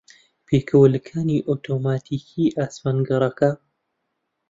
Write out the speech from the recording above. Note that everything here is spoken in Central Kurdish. پێکەوەلکانی ئۆتۆماتیکیی ئاسمانگەڕەکە